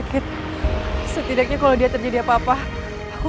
dia bisa melakukan apapun untuk jadi istri yang baik